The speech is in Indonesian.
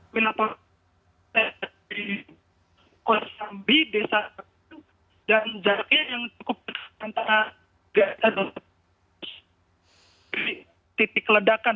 menaporkan di kosambi desa ketuk dan jaraknya yang cukup besar antara titik ledakan